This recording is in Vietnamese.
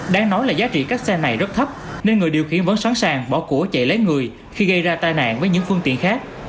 đáng nói là giá trị các xe này rất thấp nên người điều khiển vẫn sẵn sàng bỏ của chạy lấy người khi gây ra tai nạn với những phương tiện khác